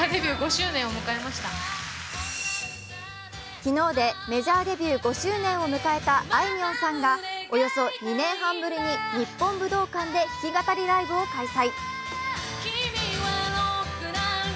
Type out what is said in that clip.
昨日でメジャーデビュー５周年を迎えたあいみょんさんがおよそ２年半ぶりに日本武道館で弾き語りライブを開催。